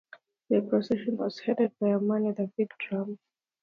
The procession was headed by a man with a big drum.